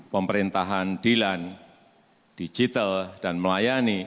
pemerintahan dilan digital dan melayani